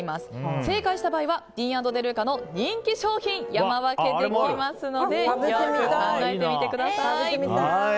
正解した場合はＤＥＡＮ＆ＤＥＬＵＣＡの人気商品を山分けできますのでよく考えてみてください。